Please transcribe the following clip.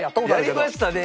やりましたね